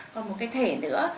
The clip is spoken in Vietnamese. còn một cái thể nữa